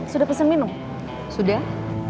sudah pesen minum sudah